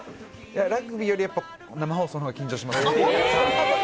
ラグビーより生放送の方が緊張します。